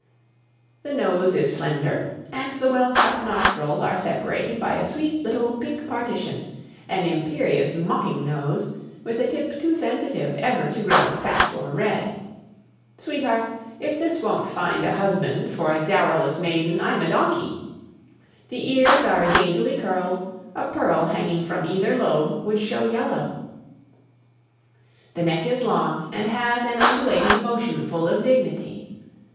The nose is slender, and the well cut nostrils are separated by a sweet little pink partition an imperious, mocking nose, with a tip too sensitive ever to grow fat or red. Sweetheart, if this won't find a husband for a dowerless maiden, I'm a donkey. The ears are daintily curled, a pearl hanging from either lobe would show yellow. The neck is long, and has an undulating motion full of dignity.